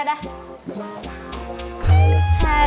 ya udah nih bentar